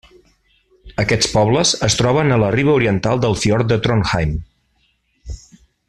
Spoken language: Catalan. Aquests pobles es troben a la riba oriental del fiord de Trondheim.